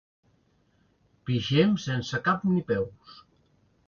Pixem sense cap ni peus.